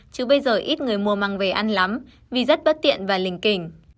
chứ bây giờ ít người mua mang về ăn lắm vì rất bất tiện và linh kình